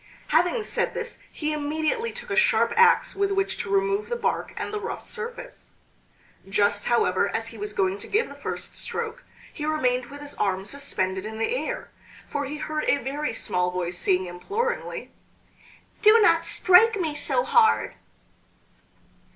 Having said this he immediately took a sharp axe with which to remove the bark and the rough surface. Just, however, as he was going to give the first stroke he remained with his arm suspended in the air, for he heard a very small voice saying imploringly: "Do not strike me so hard!"